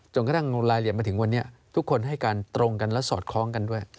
กระทั่งรายละเอียดมาถึงวันนี้ทุกคนให้การตรงกันและสอดคล้องกันด้วย